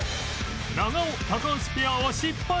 長尾高橋ペアは失敗